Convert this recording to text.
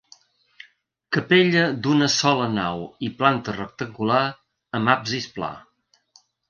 Capella d'una sola nau i planta rectangular amb absis pla.